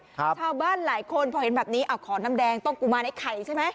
ชาวบ้านหลายคนพอเห็นแบบนี้เอาขอน้ำแดงต้องกุมารไอ้ไข่ใช่ไหม